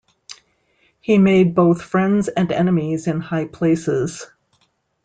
He made both "friends and enemies in high places".